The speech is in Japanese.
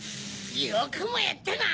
よくもやったな！